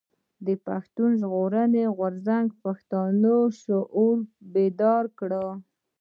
پښتون ژغورني غورځنګ پښتانه شعوري بيدار کړل.